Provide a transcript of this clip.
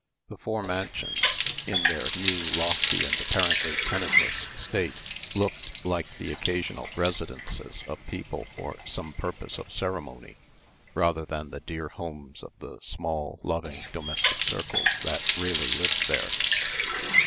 The four mansions, in their new, lofty, and apparently tenantless state, looked, like the occasional residences of people for some purpose of ceremony, rather than the dear homes of the small, loving, domestic circles that really lived there.